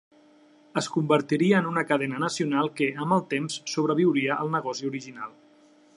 Es convertiria en una cadena nacional que, amb el temps, sobreviuria al negoci original.